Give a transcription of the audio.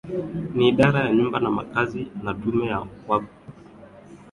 Ni idara ya Nyumba na Makazi na Tume ya Waqfu